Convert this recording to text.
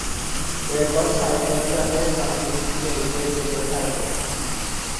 এরপর সাইকেল চালিয়ে সামনের দিকে এগিয়ে যেতে থাকে।